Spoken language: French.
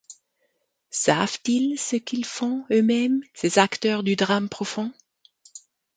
Savent-ils ce qu’ils font eux-mêmes, Ces acteurs du drame profond ?